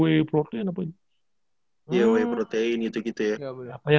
whey protein gitu gitu ya